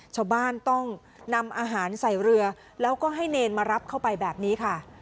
ชาวบ้านต้องนำอาหารใส่เรือแล้วก็ให้เนรมารับเข้าไปแบบนี้ค่ะ